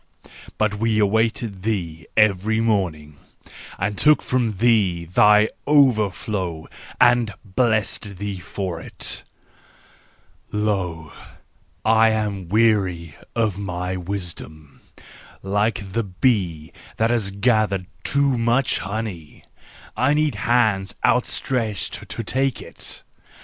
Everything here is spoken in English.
But we awaited thee every morning, took 272 THE JOYFUL WISDOM, IV from thee thine overflow, and blessed thee for it. Lo ! I am weary of my wisdom, like the bee that hath gathered too much honey; I need hands out¬ stretched to take it.